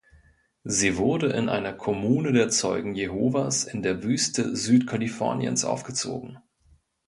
Sie wurde in einer Kommune der Zeugen Jehovas in der Wüste Südkaliforniens aufgezogen.